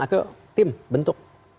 ayo tim bentuk